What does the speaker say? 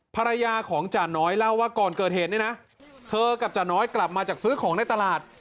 ภรรยาของจ่าน้อยเล่าว่าก่อนเกิดเหตุเนี่ยนะเธอกับจ่าน้อยกลับมาจากซื้อของในตลาด